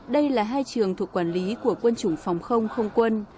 đây là hai trường thuộc quản lý của quân chủng phòng không không quân